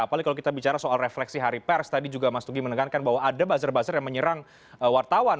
apalagi kalau kita bicara soal refleksi hari pers tadi juga mas tugi menekankan bahwa ada buzzer buzzer yang menyerang wartawan